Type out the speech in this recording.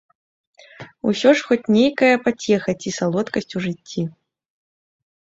Усё ж хоць нейкая пацеха ці салодкасць у жыцці.